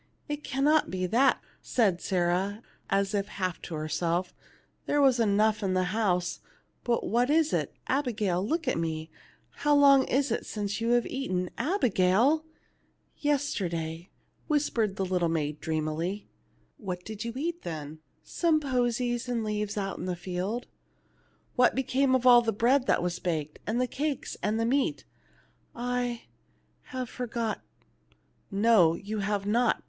" It cannot be that/' said Sarah, as if half to herself; "there was enough in the house; but what is it ? Abigail, look at me ; how long is it since you have eaten ? Abigail !" 246 THE LITTLE MAID AT THE DOOR " Yesterday/' whispered the little maid, dream ay. " What did you eat then ?" "Some posies and leaves out in the field." " What became of all the bread that was baked, and the cakes, and the meat ?" "I ŌĆö have forgot." "No, you have not.